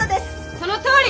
そのとおり！